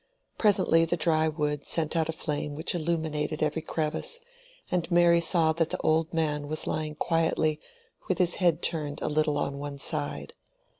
Presently the dry wood sent out a flame which illuminated every crevice, and Mary saw that the old man was lying quietly with his head turned a little on one side.